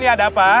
ya ada apa